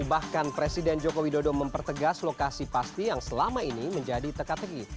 bahkan presiden joko widodo mempertegas lokasi pasti yang selama ini menjadi teka teki